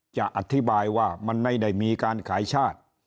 จะอธิบายว่ามันไม่ได้มีการขายชาติ